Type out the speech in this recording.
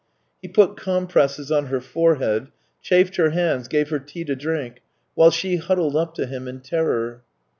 He put compresses on her forehead, chafed her hands, gave her tea to drink, while she huddled up to him in terror.